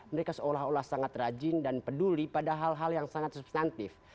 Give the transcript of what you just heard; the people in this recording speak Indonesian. mereka seolah olah sangat rajin dan peduli pada hal hal yang sangat substantif